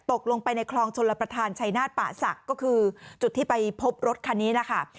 ตกลงไปในคลองชลประธานชายนาฏป่าศักดิ์ก็คือจุดที่ไปพบรถคันนี้นะคะ